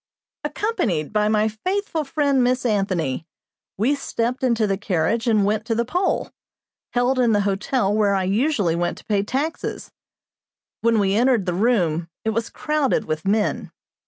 Accompanied by my faithful friend, Miss Anthony, we stepped into the carriage and went to the poll, held in the hotel where I usually went to pay taxes. When we entered the room it was crowded with men.